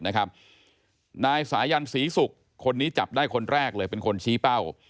นายสายันศรีศุกร์คนนี้จับได้คนแรกเลยเป็นคนชี้เป้า